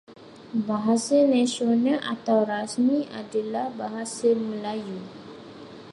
Bahasa nasional atau rasmi adalah Bahasa Melayu.